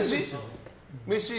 飯？